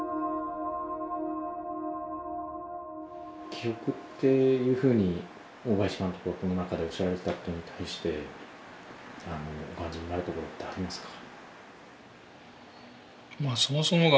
「記憶」っていうふうに大林監督がこの中でおっしゃられてたっていうのに対してお感じになるところってありますか？